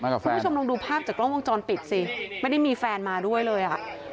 คุณผู้ชมลองดูภาพจากกล้องวงจรปิดสิไม่ได้มีแฟนมาด้วยเลยอ่ะ